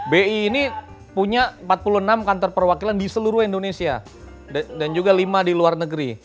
bi ini punya empat puluh enam kantor perwakilan di seluruh indonesia dan juga lima di luar negeri